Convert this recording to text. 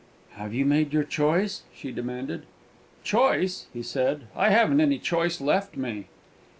"Have you made your choice?" she demanded. "Choice!" he said. "I haven't any choice left me!"